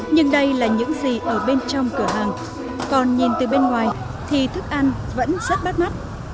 nhưng đây là những gì ở bên trong cửa hàng còn nhìn từ bên ngoài thì thức ăn vẫn rất bắt mắt